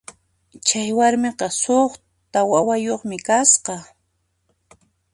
Chay warmiqa suqta wawayuqmi kasqa.